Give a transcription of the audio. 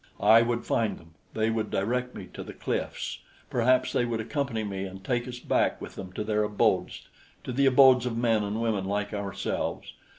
I would find them; they would direct me to the cliffs; perhaps they would accompany me and take us back with them to their abodes to the abodes of men and women like ourselves.